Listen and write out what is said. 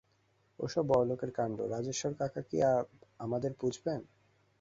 ওসকল বড়লোকের কাণ্ড, রাজ্যেশ্বর কাকা কি আব আমাদের পুছবেন?